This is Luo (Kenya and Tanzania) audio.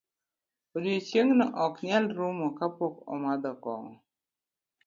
Odiochieng' nok nyal rumo kapok omadho kong'o.